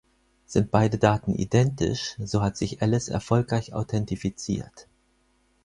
Sind beide Daten identisch, so hat sich Alice erfolgreich authentifiziert.